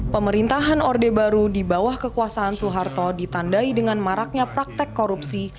pemerintahan orde baru di bawah kekuasaan soeharto ditandai dengan maraknya praktek korupsi